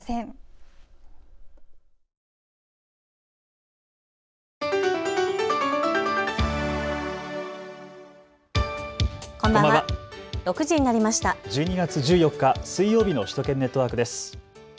１２月１４日、水曜日の首都圏ネットワークです。